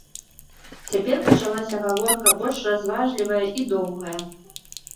Цяпер пачалася гаворка больш разважлівая і доўгая.